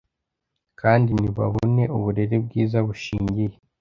kandi ntibabone uburere bwiza bushingiye